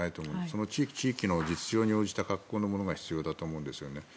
その地域、地域の実情に応じた格好のものが必要だと思うんですよね。